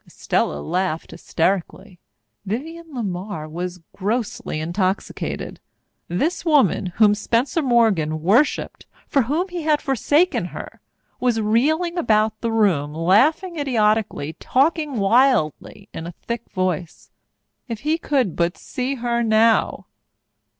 Estella laughed hysterically. Vivienne LeMar was grossly intoxicated. This woman whom Spencer Morgan worshipped, for whom he had forsaken her, was reeling about the room, laughing idiotically, talking wildly in a thick voice. If he could but see her now!